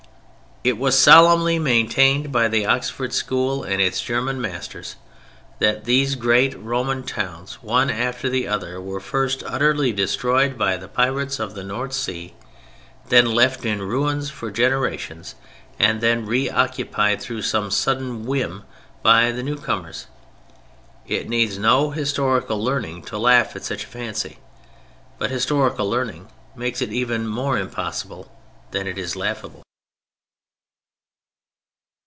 It was solemnly maintained by the Oxford School and its German masters that these great Roman towns, one after the other, were first utterly destroyed by the Pirates of the North Sea, then left in ruins for generations, and then re occupied through some sudden whim by the newcomers! It needs no historical learning to laugh at such a fancy; but historical learning makes it even more impossible than it is laughable.